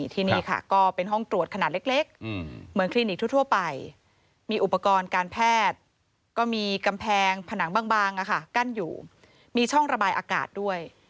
ที่นี่ค่ะก็เป็นห้องตรวจขนาดเล็กเหมือนคลินิกทั่วไปมีอุปกรณ์การแพทย์ก็มีกำแพงผนังบางกั้นอยู่มีช่องระบายอากาศด้วย